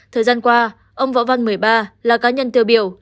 thời gian qua ông võ văn một mươi ba là cá nhân tiêu biểu